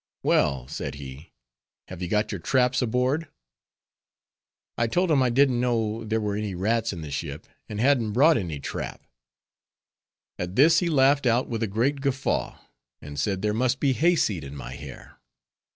"Well," said he, "have you got your traps aboard?" I told him I didn't know there were any rats in the ship, and hadn't brought any "trap." At this he laughed out with a great guffaw, and said there must be hay seed in my hair.